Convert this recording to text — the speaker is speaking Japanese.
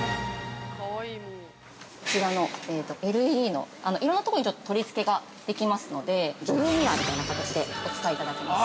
◆こちらのＬＥＤの、いろんなところに取りつけができますので、女優ミラーみたいな形でお使いいただけます。